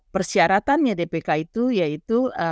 persyaratannya dpk itu yaitu